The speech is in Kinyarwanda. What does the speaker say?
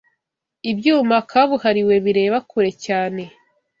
ibyuma kabuhariwe bireba kure cyane